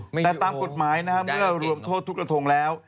แต่ตามกฎหมายนะฮะเมื่อรวมโทษทุกกระทงแล้ว